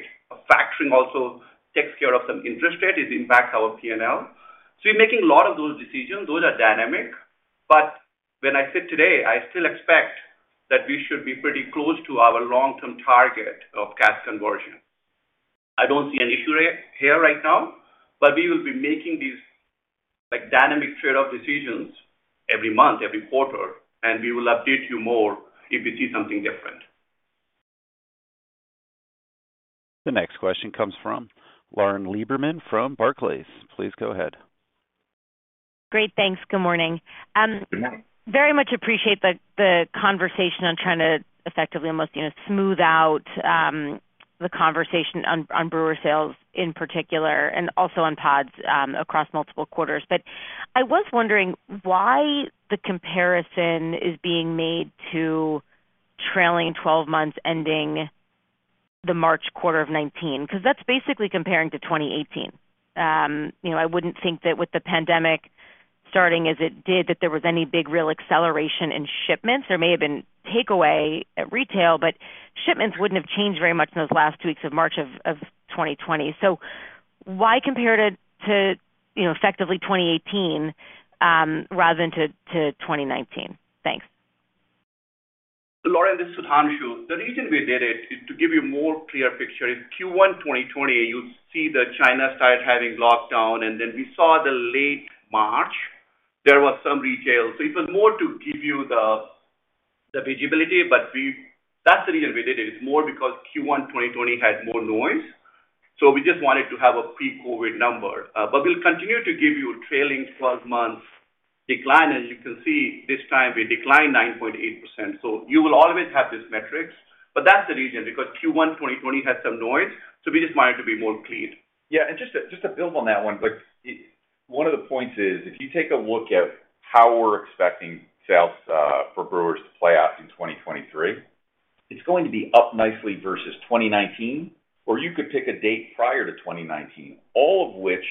Factoring also takes care of some interest rate. It impacts our P&L. We're making a lot of those decisions. Those are dynamic. When I said today, I still expect that we should be pretty close to our long-term target of cash conversion. I don't see an issue here right now, but we will be making these like, dynamic trade-off decisions every month, every quarter, and we will update you more if we see something different. The next question comes from Lauren Lieberman from Barclays. Please go ahead. Great, thanks. Good morning. Very much appreciate the conversation on trying to effectively almost, you know, smooth out, the conversation on brewer sales in particular, and also on pods, across multiple quarters. I was wondering why the comparison is being made to trailing 12-month ending the March quarter of 2019, because that's basically comparing to 2018. You know, I wouldn't think that with the pandemic starting as it did, that there was any big, real acceleration in shipments. There may have been takeaway at retail, but shipments wouldn't have changed very much in those last 2 weeks of March of 2020. Why compare it to, you know, effectively 2018, rather than to 2019? Thanks. Lauren Lieberman, this is Sudhanshu Priyadarshi. The reason we did it is to give you more clear picture. In Q1 2020, you see that China started having lockdown, and then we saw the late March, there was some retail. It was more to give you the visibility. That's the reason we did it. It's more because Q1 2020 had more noise, so we just wanted to have a pre-COVID number. But we'll continue to give you trailing 12-month decline. As you can see, this time we declined 9.8%. You will always have these metrics, but that's the reason, because Q1 2020 had some noise, so we just wanted to be more clear. Just to build on that one quick. One of the points is, if you take a look at how we're expecting sales for brewers to play out in 2023, it's going to be up nicely versus 2019. You could pick a date prior to 2019, all of which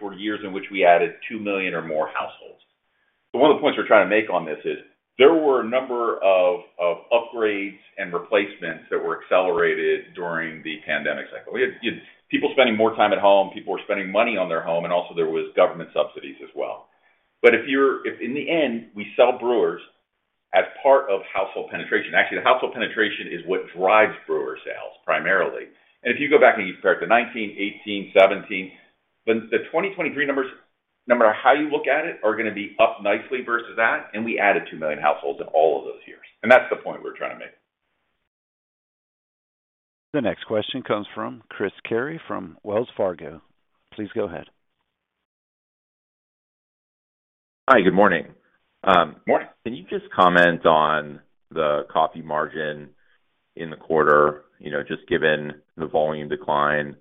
were years in which we added 2 million or more households. One of the points we're trying to make on this is there were a number of upgrades and replacements that were accelerated during the pandemic cycle. We had, you know, people spending more time at home, people were spending money on their home, and also there was government subsidies as well. If in the end, we sell brewers as part of household penetration, actually the household penetration is what drives brewer sales primarily. If you go back and you compare it to 2019, 2018, 2017, then the 2023 numbers, no matter how you look at it, are going to be up nicely versus that, and we added 2 million households in all of those years. That's the point we're trying to make. The next question comes from Chris Carey from Wells Fargo. Please go ahead. Hi, good morning. Morning. Can you just comment on the coffee margin in the quarter? You know, just given the volume decline,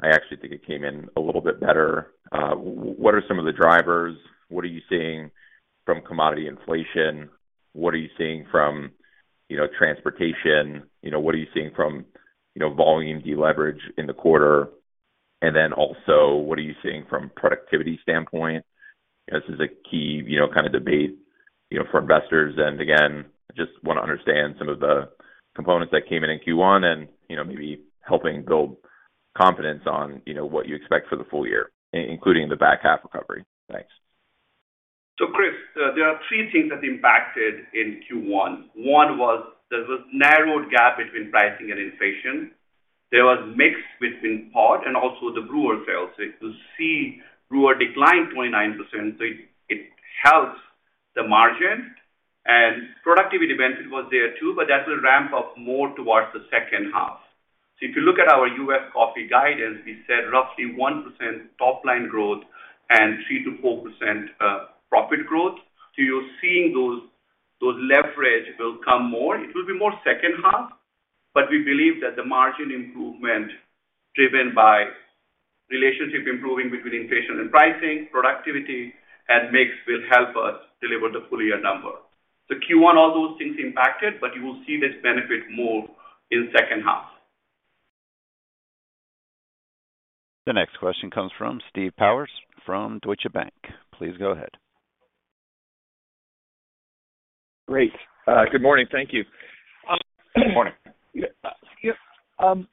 I actually think it came in a little bit better. What are some of the drivers? What are you seeing from commodity inflation? What are you seeing from, you know, transportation? You know, what are you seeing from, you know, volume deleverage in the quarter? Also, what are you seeing from productivity standpoint? This is a key, you know, kind of debate, you know, for investors. Again, just wanna understand some of the components that came in in Q1 and, you know, maybe helping build confidence on, you know, what you expect for the full year, including the back half recovery. Thanks. Chris, there are 3 things that impacted in Q1. 1 was there was narrowed gap between pricing and inflation. There was mix between K-Cup and also the Keurig brewer sales. You could see Keurig brewer declined 29%, so it helps the margin. Productivity benefit was there too, but that will ramp up more towards the second half. If you look at our U.S. Coffee guidance, we said roughly 1% top-line growth and 3%-4% profit growth. You're seeing those leverage will come more. It will be more second half, but we believe that the margin improvement driven by relationship improving between inflation and pricing, productivity, and mix will help us deliver the full year number. Q1, all those things impacted, but you will see this benefit more in second half. The next question comes from Steve Powers from Deutsche Bank. Please go ahead. Great. Good morning. Thank you. Good morning. Yeah. On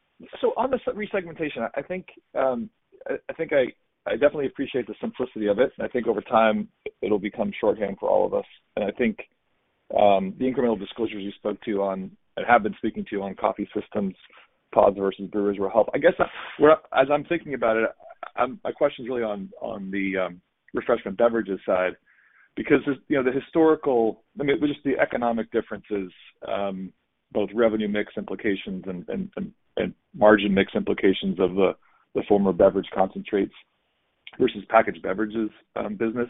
the resegmentation, I think I definitely appreciate the simplicity of it, and I think over time it'll become shorthand for all of us. I think, the incremental disclosures you spoke to on and have been speaking to on Coffee Systems, pods versus brewers will help. I guess, as I'm thinking about it, my question is really on the Refreshment Beverages side, because there's, you know, the historical, I mean, just the economic differences, both revenue mix implications and margin mix implications of the former beverage concentrates versus packaged beverages business.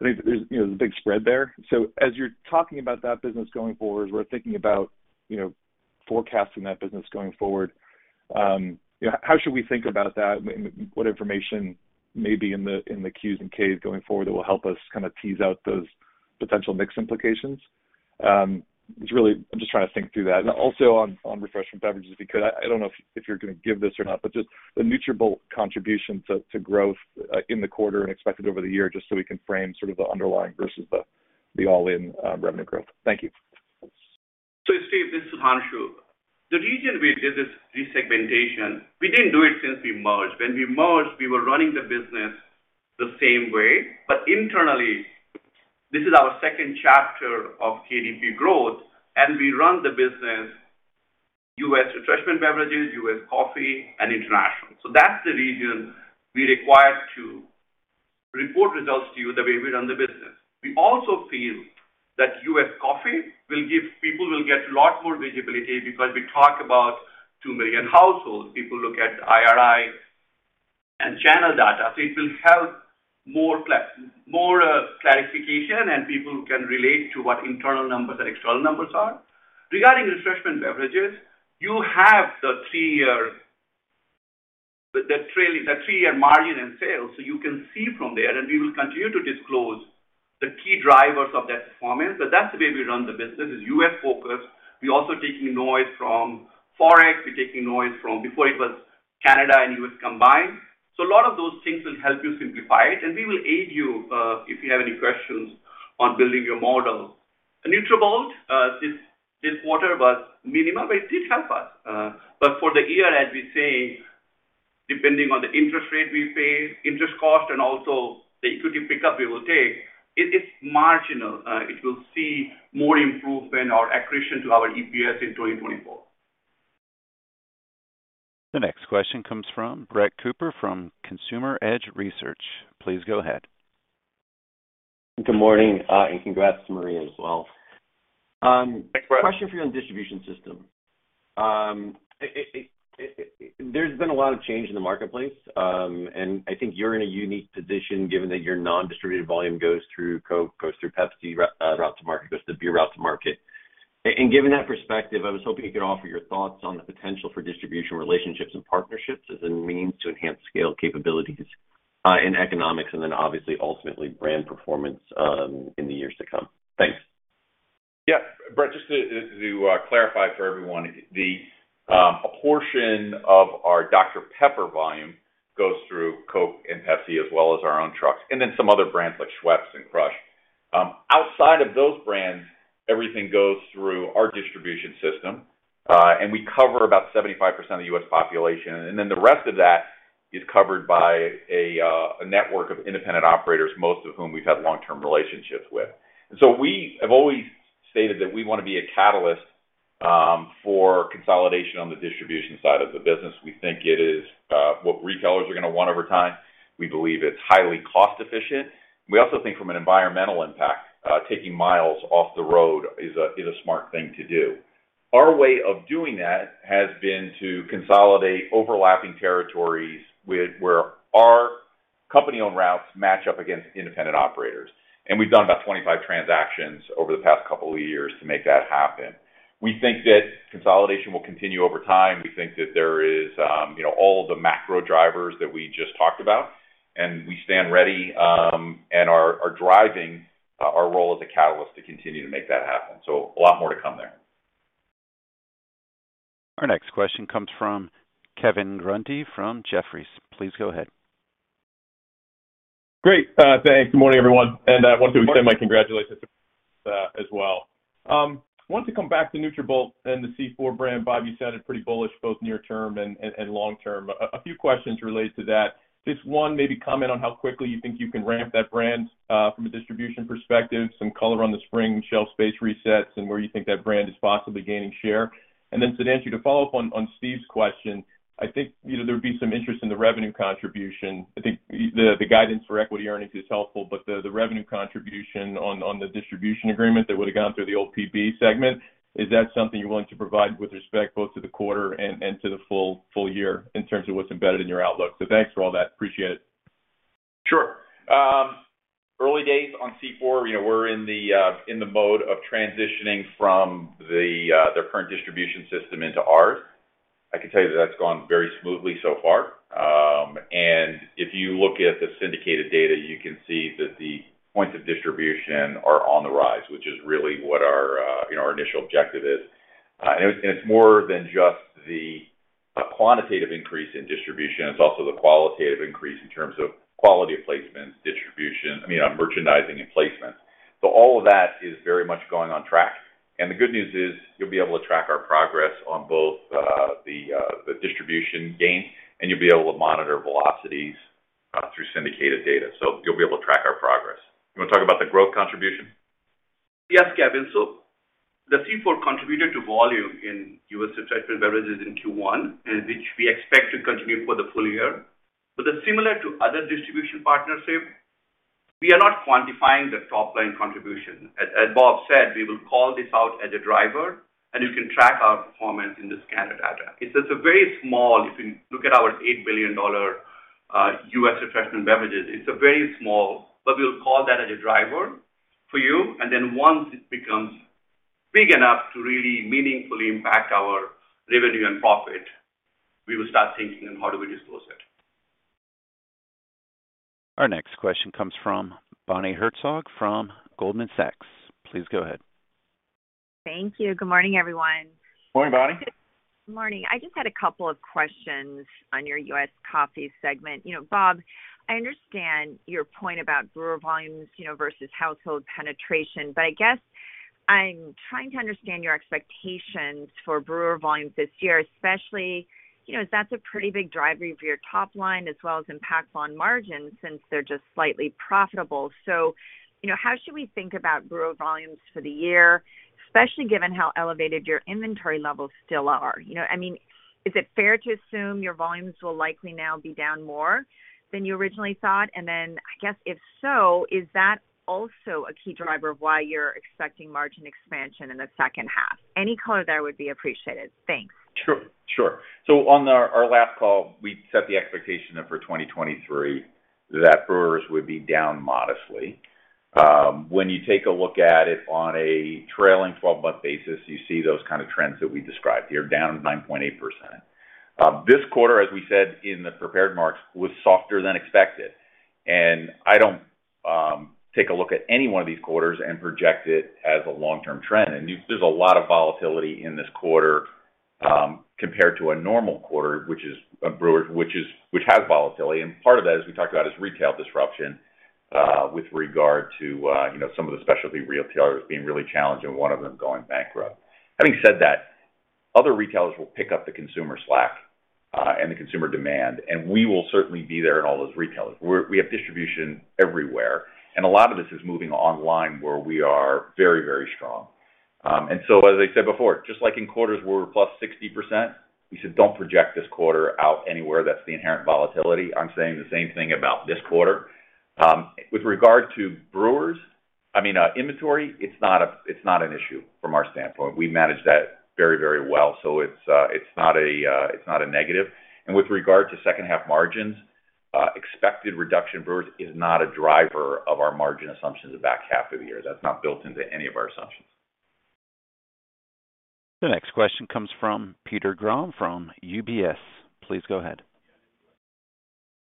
I think there's, you know, there's a big spread there. As you're talking about that business going forward, as we're thinking about, you know, forecasting that business going forward, you know, how should we think about that? What information may be in the Qs and Ks going forward that will help us kind of tease out those potential mix implications? It's really, I'm just trying to think through that. Also on refreshment beverages, because I don't know if you're gonna give this or not, but just the Nutrabolt contribution to growth in the quarter and expected over the year, just so we can frame sort of the underlying versus the all-in revenue growth. Thank you. Steve, this is Sudhanshu. The reason we did this resegmentation, we didn't do it since we merged. When we merged, we were running the business the same way. Internally, this is our second chapter of KDP growth, and we run the business U.S. Refreshment Beverages, U.S. Coffee, and international. That's the reason we required to Report results to you the way we run the business. We also feel that U.S. Coffee people will get a lot more visibility because we talk about 2 million households. People look at IRI and channel data. It will help more clarification and people can relate to what internal numbers and external numbers are. Regarding refreshment beverages, you have the three-year margin in sales, you can see from there, and we will continue to disclose the key drivers of that performance. That's the way we run the business is U.S.-focused. We're also taking noise from forex. We're taking noise from before it was Canada and U.S. combined. A lot of those things will help you simplify it, and we will aid you if you have any questions on building your model. The Nutrabolt, this quarter was minimum, but it did help us. For the year, as we say, depending on the interest rate we pay, interest cost, and also the equity pickup we will take, it is marginal. It will see more improvement or accretion to our EPS in 2024. The next question comes from Brett Cooper from Consumer Edge Research. Please go ahead. Good morning, and congrats to Maria as well. Thanks, Brett. Question for you on distribution system. It there's been a lot of change in the marketplace, and I think you're in a unique position given that your non-distributed volume goes through Coke, goes through Pepsi, route to market, goes to beer route to market. Given that perspective, I was hoping you could offer your thoughts on the potential for distribution relationships and partnerships as a means to enhance scale capabilities, in economics, and then obviously ultimately brand performance, in the years to come. Thanks. Yeah. Brett, just to clarify for everyone, the portion of our Dr Pepper volume goes through Coke and Pepsi as well as our own trucks, and then some other brands like Schweppes and Crush. Outside of those brands, everything goes through our distribution system, we cover about 75% of the U.S. population. The rest of that is covered by a network of independent operators, most of whom we've had long-term relationships with. We have always stated that we want to be a catalyst for consolidation on the distribution side of the business. We think it is what retailers are gonna want over time. We believe it's highly cost efficient. We also think from an environmental impact, taking miles off the road is a smart thing to do. Our way of doing that has been to consolidate overlapping territories where our company-owned routes match up against independent operators. We've done about 25 transactions over the past couple of years to make that happen. We think that consolidation will continue over time. We think that there is, you know, all the macro drivers that we just talked about, and we stand ready and are driving our role as a catalyst to continue to make that happen. A lot more to come there. Our next question comes from Kevin Grundy from Jefferies. Please go ahead. Great. Thanks. Good morning, everyone. I want to extend my congratulations as well. Want to come back to Nutrabolt and the C4 brand. Bob, you sounded pretty bullish both near term and long term. A few questions related to that. Just one, maybe comment on how quickly you think you can ramp that brand from a distribution perspective, some color on the spring shelf space resets and where you think that brand is possibly gaining share. Then Sudhanshu, to follow up on Steve's question, I think, you know, there would be some interest in the revenue contribution. I think the guidance for equity earnings is helpful, but the revenue contribution on the distribution agreement that would have gone through the OPB segment, is that something you're willing to provide with respect both to the quarter and to the full year in terms of what's embedded in your outlook? Thanks for all that. Appreciate it. Sure. Early days on C4, you know, we're in the mode of transitioning from their current distribution system into ours. I can tell you that's gone very smoothly so far. If you look at the syndicated data, you can see that the points of distribution are on the rise, which is really what our, you know, our initial objective is. It's more than just the quantitative increase in distribution, it's also the qualitative increase in terms of quality of placement, distribution. I mean, on merchandising and placement. All of that is very much going on track. The good news is you'll be able to track our progress on both the distribution gains, and you'll be able to monitor velocities through syndicated data. You'll be able to track our progress. You want to talk about the growth contribution? Yes, Kevin. The C4 contributed to volume in U.S. Refreshment Beverages in Q1, which we expect to continue for the full year. Similar to other distribution partnership, we are not quantifying the top line contribution. As Bob said, we will call this out as a driver, and you can track our performance in the scanned data. It's a very small. If you look at our $8 billion U.S. Refreshment Beverages. We'll call that as a driver for you, and then once it becomes big enough to really meaningfully impact our revenue and profit, we will start thinking on how do we disclose it. Our next question comes from Bonnie Herzog from Goldman Sachs. Please go ahead. Thank you. Good morning, everyone. Morning, Bonnie. Morning. I just had a couple of questions on your U.S. Coffee segment. You know, Bob, I understand your point about brewer volumes, you know, versus household penetration, but I guess I'm trying to understand your expectations for brewer volumes this year, especially, you know, that's a pretty big driver for your top line as well as impacts on margins since they're just slightly profitable. So, you know, how should we think about brewer volumes for the year, especially given how elevated your inventory levels still are? You know, I mean, is it fair to assume your volumes will likely now be down more than you originally thought? I guess, if so, is that also a key driver of why you're expecting margin expansion in the second half? Any color there would be appreciated. Thanks. Sure. On our last call, we set the expectation that for 2023 that brewers would be down modestly. When you take a look at it on a trailing 12-month basis, you see those kind of trends that we described here, down 9.8%. This quarter, as we said in the prepared remarks, was softer than expected. I don't take a look at any one of these quarters and project it as a long-term trend. There's a lot of volatility in this quarter compared to a normal quarter, which is a brewer's, which has volatility. Part of that, as we talked about, is retail disruption with regard to, you know, some of the specialty retailers being really challenged and one of them going bankrupt. Having said that, other retailers will pick up the consumer slack, and the consumer demand, and we will certainly be there in all those retailers. We have distribution everywhere, and a lot of this is moving online where we are very, very strong. As I said before, just like in quarters where we're +60%, we said, "Don't project this quarter out anywhere. That's the inherent volatility." I'm saying the same thing about this quarter. With regard to brewers, I mean, inventory, it's not an issue from our standpoint. We manage that very, very well. It's not a negative. With regard to second half margins, expected reduction brewers is not a driver of our margin assumptions the back half of the year. That's not built into any of our assumptions. The next question comes from Peter Grom from UBS. Please go ahead.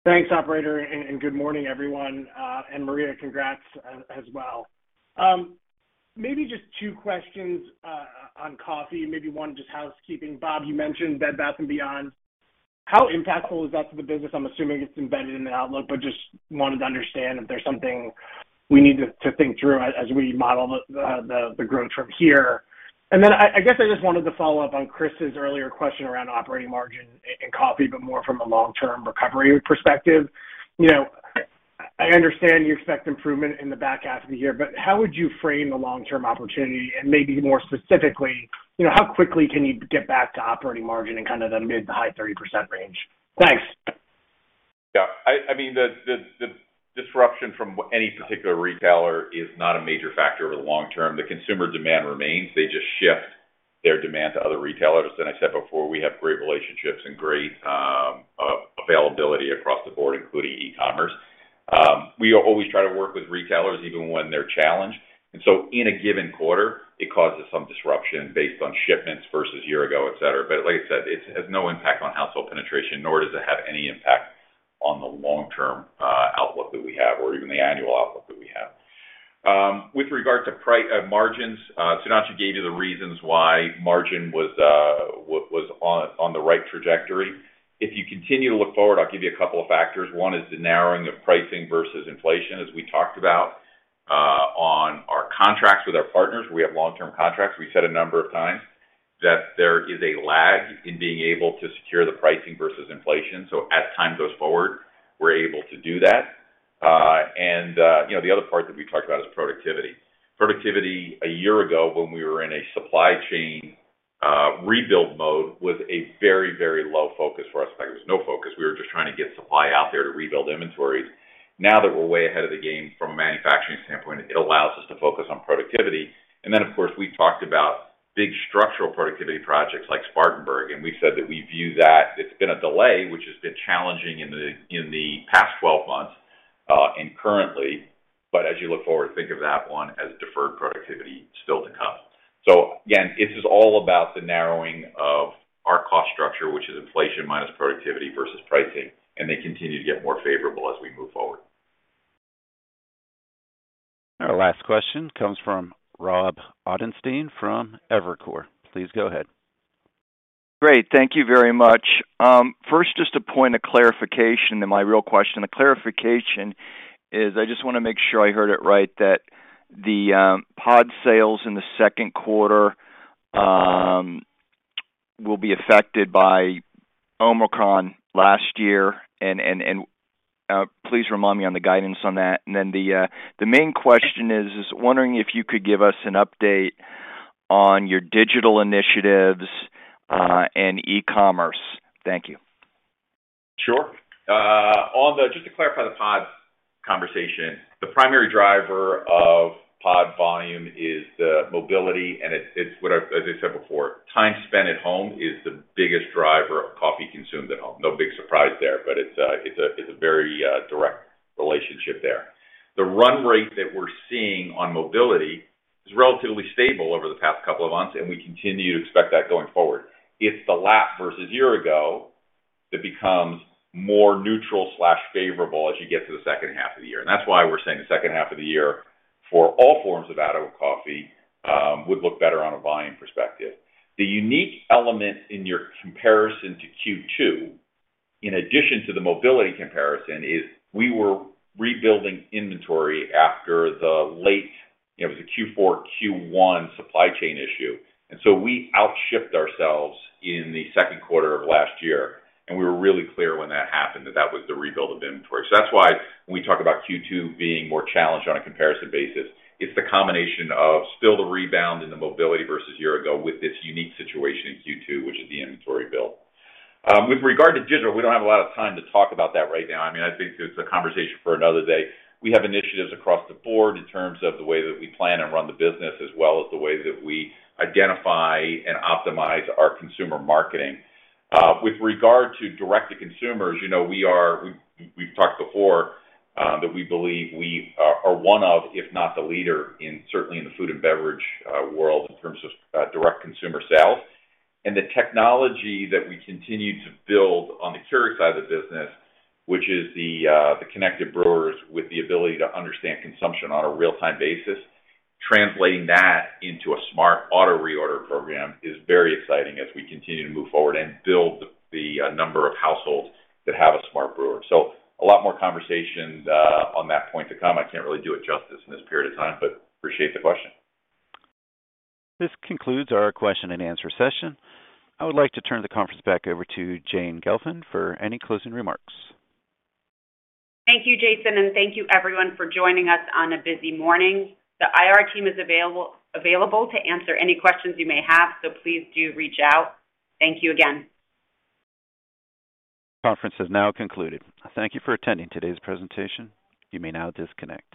Thanks, operator, and good morning, everyone. Maria, congrats as well. Maybe just two questions on coffee, maybe one just housekeeping. Bob, you mentioned Bed Bath & Beyond. How impactful is that to the business? I'm assuming it's embedded in the outlook, but just wanted to understand if there's something we need to think through as we model the growth from here. I guess I just wanted to follow up on Chris's earlier question around operating margin in coffee, but more from a long-term recovery perspective. You know, I understand you expect improvement in the back half of the year, but how would you frame the long-term opportunity and maybe more specifically, you know, how quickly can you get back to operating margin in kind of the mid to high 30% range? Thanks. Yeah. I mean, the disruption from any particular retailer is not a major factor over the long term. The consumer demand remains. They just shift their demand to other retailers. I said before, we have great relationships and great availability across the board, including e-commerce. We always try to work with retailers even when they're challenged. In a given quarter, it causes some disruption based on shipments versus year ago, et cetera. Like I said, it has no impact on household penetration, nor does it have any impact on the long-term outlook that we have or even the annual outlook that we have. With regard to margins, Sudhanshu gave you the reasons why margin was on the right trajectory. If you continue to look forward, I'll give you a couple of factors. One is the narrowing of pricing versus inflation, as we talked about, on our contracts with our partners. We have long-term contracts. We've said a number of times that there is a lag in being able to secure the pricing versus inflation. As time goes forward, we're able to do that. And, you know, the other part that we talked about is productivity. Productivity a year ago when we were in a supply chain rebuild mode was a very, very low focus for us. In fact, there was no focus. We were just trying to get supply out there to rebuild inventories. Now that we're way ahead of the game from a manufacturing standpoint, it allows us to focus on productivity. Of course, we talked about big structural productivity projects like Spartanburg, and we said that we view that it's been a delay, which has been challenging in the past 12 months, and currently. As you look forward, think of that one as deferred productivity still to come. Again, this is all about the narrowing of our cost structure, which is inflation minus productivity versus pricing, and they continue to get more favorable as we move forward. Our last question comes from Robert Ottenstein from Evercore. Please go ahead. Great. Thank you very much. First, just a point of clarification, then my real question. The clarification is I just wanna make sure I heard it right that the pod sales in the Q2 will be affected by Omicron last year and please remind me on the guidance on that. The main question is wondering if you could give us an update on your digital initiatives and e-commerce. Thank you. Sure. Just to clarify the pod conversation, the primary driver of pod volume is the mobility, and as I said before, time spent at home is the biggest driver of coffee consumed at home. No big surprise there, but it's a very direct relationship there. The run rate that we're seeing on mobility is relatively stable over the past couple of months, and we continue to expect that going forward. It's the lap versus year ago that becomes more neutral/favorable as you get to the second half of the year. That's why we're saying the second half of the year for all forms of at-home coffee would look better on a volume perspective. The unique element in your comparison to Q2, in addition to the mobility comparison, is we were rebuilding inventory after the late, you know, it was a Q4, Q1 supply chain issue. We out shipped ourselves in the Q2 of last year, and we were really clear when that happened that that was the rebuild of inventory. That's why when we talk about Q2 being more challenged on a comparison basis, it's the combination of still the rebound in the mobility versus year ago with this unique situation in Q2, which is the inventory build. With regard to digital, we don't have a lot of time to talk about that right now. I mean, I think it's a conversation for another day. We have initiatives across the board in terms of the way that we plan and run the business, as well as the way that we identify and optimize our consumer marketing. With regard to direct to consumers, you know, we've talked before that we believe we are one of, if not the leader in certainly in the food and beverage world in terms of direct consumer sales. The technology that we continue to build on the Keurig side of the business, which is the connected brewers with the ability to understand consumption on a real-time basis, translating that into a smart auto reorder program is very exciting as we continue to move forward and build the number of households that have a smart brewer. A lot more conversations on that point to come. I can't really do it justice in this period of time, but appreciate the question. This concludes our question and answer session. I would like to turn the conference back over to Jane Gelfand for any closing remarks. Thank you, Jason, thank you everyone for joining us on a busy morning. The IR team is available to answer any questions you may have. Please do reach out. Thank you again. Conference has now concluded. Thank you for attending today's presentation. You may now disconnect.